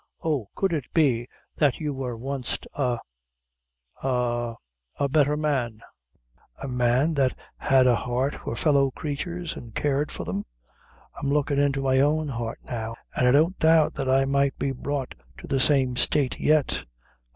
Oh, could it be that you wor wanst a a a betther man a man that had a heart for fellow creatures, and cared for them? I'm lookin' into my own heart now, and I don't doubt but I might be brought to the same state yet.